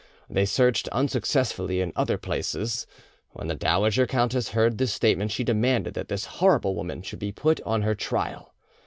They searched unsuccessfully in other places. When the dowager countess heard this statement, she demanded that this horrible woman should be put on her trial.